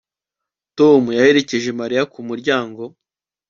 Tom yaherekeje Mariya ku muryango